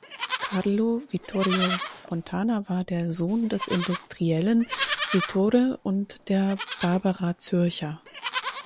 Carlo Vittorio Fontana war der Sohn des Industriellen Vittore und der Barbara Zürcher.